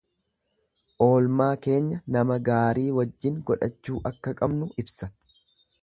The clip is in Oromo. Oolmaa keenya nama gaarii wajjiin godhachuu akka qabnu ibsa.